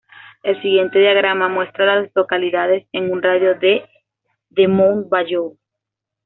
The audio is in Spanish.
El siguiente diagrama muestra a las localidades en un radio de de Mound Bayou.